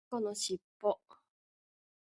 猫のしっぽ